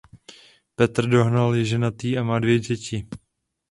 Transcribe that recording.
Petr Dohnal je ženatý a má dvě děti.